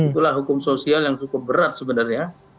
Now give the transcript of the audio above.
itulah hukum sosial yang cukup berat sebenarnya